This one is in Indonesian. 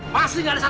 nanti kita makan